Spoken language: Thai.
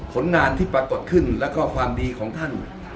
ผลงานที่ปรากฏขึ้นแล้วก็ความดีของท่าน